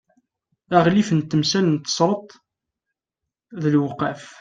aɣlif n temsal n tesreḍt d lewqaf